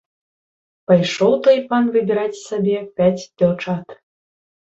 Пайшоў той пан выбіраць сабе пяць дзяўчат.